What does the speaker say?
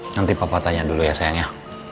nanti papa tanya dulu ya sayang ya